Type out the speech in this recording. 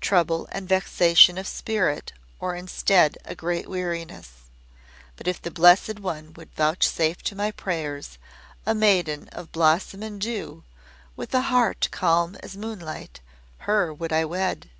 Trouble and vexation of spirit, or instead a great weariness. But if the Blessed One would vouchsafe to my prayers a maiden of blossom and dew, with a heart calm as moonlight, her would I wed.